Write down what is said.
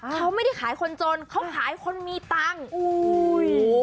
เขาไม่ได้ขายคนจนเขาขายคนมีตังค์อุ้ย